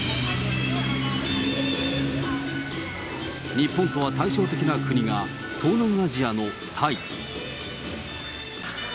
日本とは対照的な国が、東南アジアのタイ。